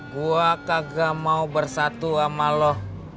gua kagak mau bersatu sama lo